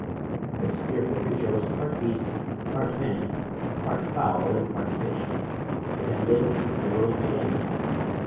This fearful creature was part beast, part man, part fowl and part fish. It had lived since the world began.